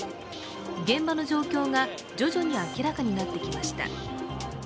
現場の状況が徐々に明らかになってきました。